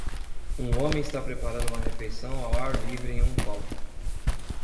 Um homem está preparando uma refeição ao ar livre em um palco.